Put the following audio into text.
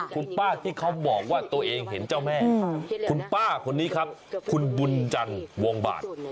คุณป้าที่เขาบอกว่าตัวเองเห็นเจ้าแม่คุณป้าคนนี้ครับคุณบุญจันทร์วงบาท